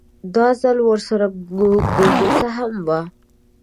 دا ځل ورسره ګونګسه هم وه.